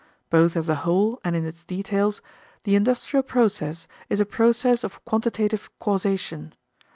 Both as a whole and in its details, the industrial process is a process of quantitative causation.